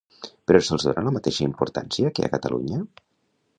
Però se'ls dona la mateixa importància que a Catalunya?